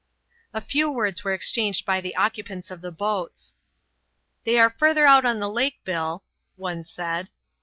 A few words were exchanged by the occupants of the boats. "They are further out on the lake, Bill," one said.